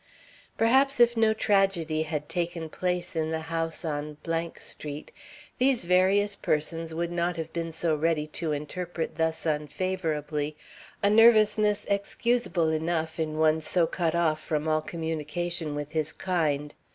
Perhaps if no tragedy had taken place in the house on Street these various persons would not have been so ready to interpret thus unfavorably a nervousness excusable enough in one so cut off from all communication with his kind.